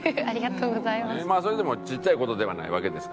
それはでもちっちゃい事ではないわけですから。